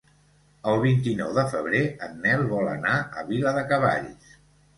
El vint-i-nou de febrer en Nel vol anar a Viladecavalls.